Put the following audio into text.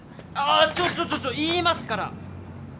あちょっちょっ言いますから！